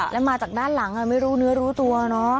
แล้วมาจากด้านหลังไม่รู้เนื้อรู้ตัวเนอะ